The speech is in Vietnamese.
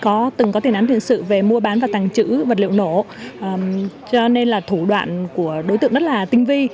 đối tượng vi phạm đã từng có tiền án thiền sự về mua bán và tàng trữ vật liệu nổ cho nên là thủ đoạn của đối tượng rất là tinh vi